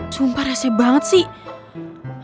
sumpah resep banget sih